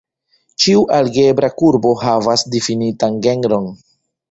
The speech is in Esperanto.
Ĉiu algebra kurbo havas difinitan genron.